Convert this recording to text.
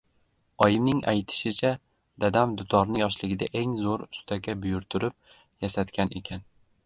Oyimning aytishicha, dadam dutorni yoshligida eng zo‘r ustaga buyurtirib yasatgan ekan.